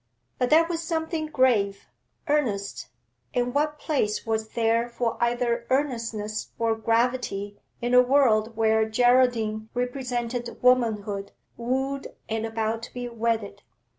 But that was something grave, earnest, and what place was there for either earnestness or gravity in a world where Geraldine represented womanhood wooed and about to be wedded?